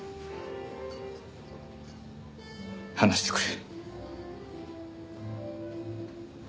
離してくれ。